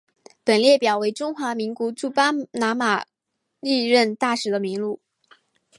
本列表为中华民国驻巴拿马历任大使的名录。